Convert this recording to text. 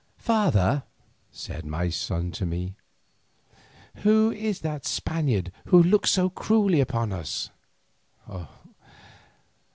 "Father," said my son to me, "who is that Spaniard who looks so cruelly upon us?"